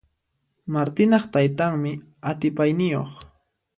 Martinaq taytanmi atipayniyuq.